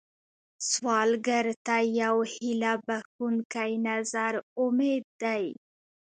سوالګر ته یو هيله بښونکی نظر امید دی